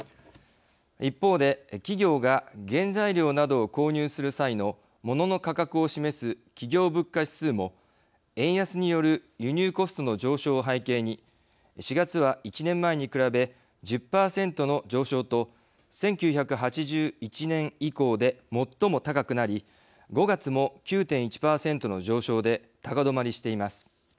一方で企業が原材料などを購入する際のモノの価格を示す企業物価指数も円安による輸入コストの上昇を背景に４月は１年前に比べ１０％の上昇と１９８１年以降で最も高くなり５月も９．１％の上昇で高止まりしています。